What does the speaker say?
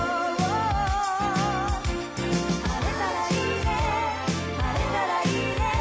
「晴れたらいいね晴れたらいいね」